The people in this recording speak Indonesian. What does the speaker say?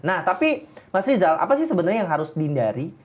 nah tapi mas rizal apa sih sebenarnya yang harus dihindari